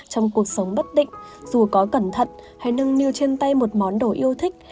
trong cuộc sống bất định dù có cẩn thận hay nâng niu trên tay một món đồ yêu thích